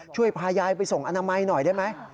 ช่วยพายายไปส่งอนามัยหน่อยได้ไหม